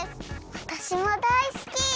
わたしもだいすき。